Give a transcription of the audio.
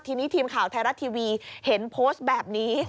ทีนี้ทีมข่าวไทยรัฐทีวีเห็นโพสต์แบบนี้